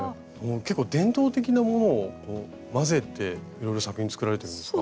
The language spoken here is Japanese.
結構伝統的なものを混ぜていろいろ作品作られてるんですか？